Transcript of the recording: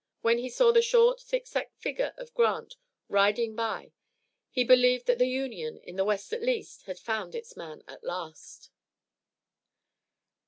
When he saw the short, thick set figure of Grant riding by he believed that the Union, in the West at least, had found its man at last.